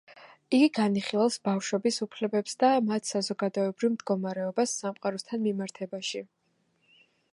იგი განიხილავს ბავშვების უფლებებს და მათ საზოგადოებრივ მდგომარეობას სამყაროსთან მიმართებაში.